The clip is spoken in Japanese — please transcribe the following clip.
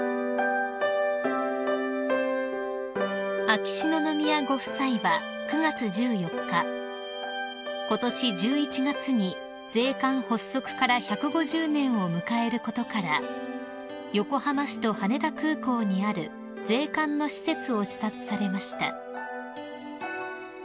［秋篠宮ご夫妻は９月１４日ことし１１月に税関発足から１５０年を迎えることから横浜市と羽田空港にある税関の施設を視察されました］